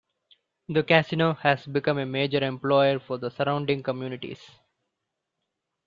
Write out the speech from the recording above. The casino has become a major employer for the surrounding communities.